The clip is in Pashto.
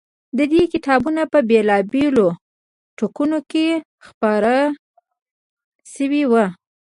دې کتابونه په بېلا بېلو ټوکونوکې خپور شوی و.